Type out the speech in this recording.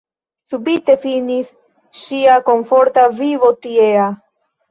Subite finis ŝia komforta vivo tiea.